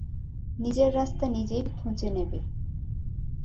নিজের রাস্তা নিজেই খুঁজে নেবে।